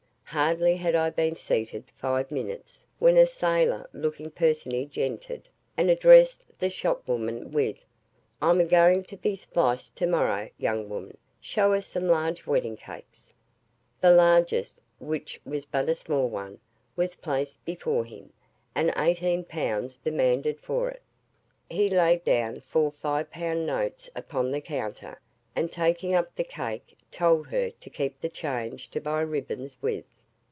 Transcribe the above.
Hardly had I been seated five minutes, when a sailor looking personage entered, and addressed the shopwoman with: "I'm agoing to be spliced to morrow, young woman; show us some large wedding cakes." The largest (which was but a small one) was placed before him, and eighteen pounds demanded for it. He laid down four five pound notes upon the counter, and taking up the cake, told her to "keep the change to buy ribbons with."